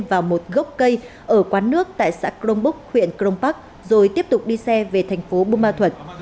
vào một gốc cây ở quán nước tại xã crong bốc huyện crong park rồi tiếp tục đi xe về thành phố bùa ma thuật